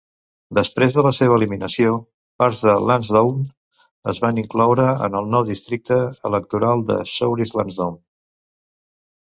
Després de la seva eliminació, parts de Lansdowne es van incloure en el nou districte electoral de Souris-Lansdowne.